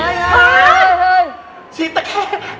เฮ้ยเฮ้ยเฮ้ย